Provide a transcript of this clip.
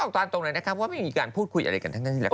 ก็ต้องตอบตรงนั้นนะครับไม่มีการพูดคุยอะไรกันทั้งแล้วค่ะ